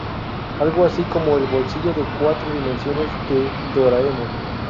Algo así como el bolsillo de cuatro dimensiones de "Doraemon".